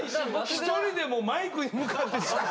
一人でもうマイクに向かって。